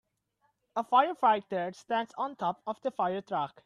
A firefighter stands on top of the firetruck.